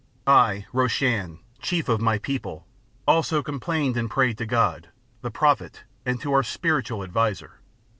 I, Roshan, chief of my people, also complained and prayed to God, the Prophet, and to our spiritual adviser.